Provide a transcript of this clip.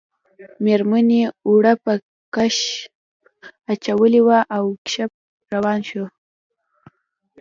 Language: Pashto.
میرمنې اوړه په کشپ اچولي وو او کشپ روان شو